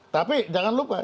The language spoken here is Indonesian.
tapi jangan lupa